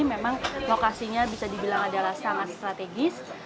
memang lokasinya bisa dibilang adalah sangat strategis